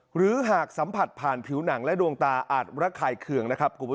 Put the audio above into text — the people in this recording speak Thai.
หรือหากสัมผัสผ่านผิวหนังและดวงตาอาจระคายเคือง